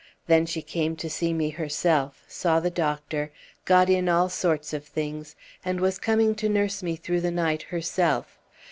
Then she came to see me herself, saw the doctor, got in all sorts of things, and was coming to nurse me through the night herself.